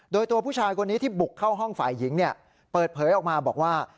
โดยตัวผู้ชายคนนี้ที่บุกเข้าห้องฝ่ายหญิงเปิดเผยออกมาบอกว่า